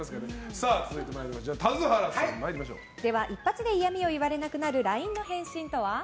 一発で嫌味を言われなくなるＬＩＮＥの返信とは？